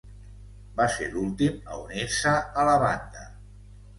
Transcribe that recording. Va ser l'últim a unir-se a la banda.